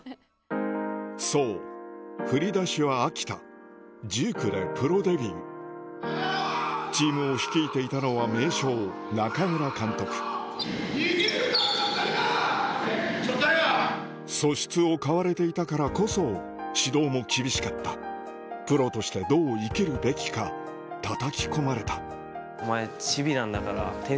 そう振り出しは秋田１９でプロデビューチームを率いていたのは名将中村監督素質を買われていたからこそ指導も厳しかったプロとしてどう生きるべきかたたき込まれたって言われました。